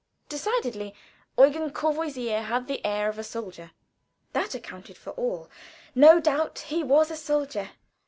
Decidedly Eugen Courvoisier had the air of a soldier. That accounted for all. No doubt he was a soldier.